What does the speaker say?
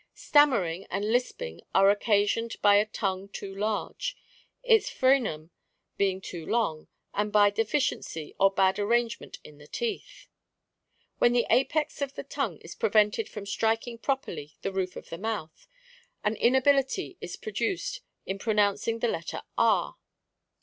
" Stammering and lisp'jig are occasioned by a tongue too large, its frcenum being too long, and by deficiency or bad arrangement in the teeth. When the apex of the tongue is prevented from striking properly the roof of the mouth, an inability is produced in pronouncing the letter R.